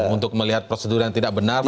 untuk melihat prosedur yang tidak benar